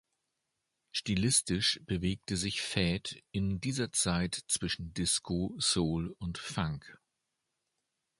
Stilistisch bewegte sich Väth in dieser Zeit zwischen Disco, Soul und Funk.